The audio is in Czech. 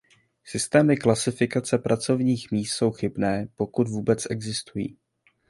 Systémy klasifikace pracovních míst jsou chybné, pokud vůbec existují.